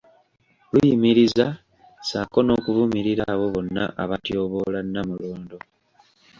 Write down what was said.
Liyimiriza ssaako n'okuvumirira abo bonna abatyoboola Nnamulondo